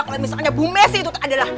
kalo misalnya bu messi itu tak ada lah